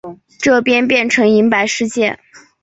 这边变成银白世界